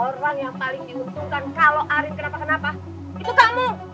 orang yang paling diuntungkan kalau arin kenapa kenapa itu kamu